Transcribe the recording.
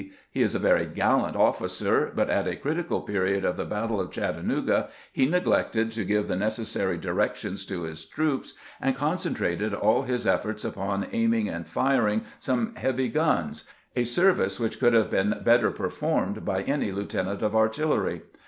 He is a very gallant officer, but at a 26 CAMPAIGNING "WITH GRANT critical period of the battle of Chattanooga lie neglected to give the necessary directions to his troops, and con centrated all his efforts upon aiming and firing some heavy guns, a service which could have been better per formed by any lieutenant of artillery.